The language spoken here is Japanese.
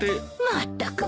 まったく。